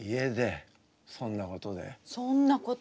そんなことで？